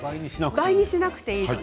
倍にしなくていいんです。